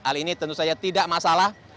hal ini tentu saja tidak masalah